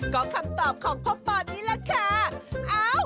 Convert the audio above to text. ก็คำตอบของพ่อปอนนี่แหละค่ะ